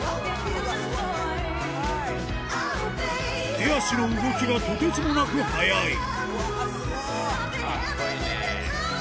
手足の動きがとてつもなく速いスゴい！